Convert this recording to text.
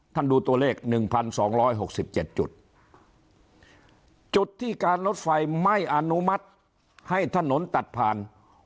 ดูตัวเลข๑๒๖๗จุดจุดที่การรถไฟไม่อนุมัติให้ถนนตัดผ่าน